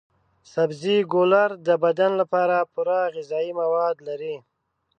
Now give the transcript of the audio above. سبزي ګولور د بدن لپاره پوره غذايي مواد لري.